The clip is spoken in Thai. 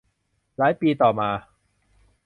หลายปีต่อมา